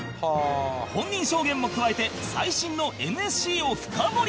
本人証言も加えて最新の ＮＳＣ を深掘り